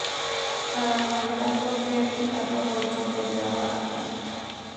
Para levantarlo, Jerry arroja un chorro de agua a Tom.